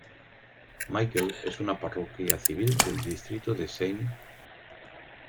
Michael es una parroquia civil del distrito de St.